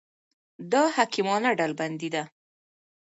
دا حکیمانه ډلبندي ده.